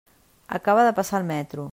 Acaba de passar el metro.